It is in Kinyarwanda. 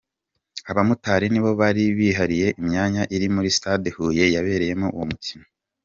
Abamotari nibo bari bihariye imyamya iri muri Sitade Huye yabereyemo uwo mukino.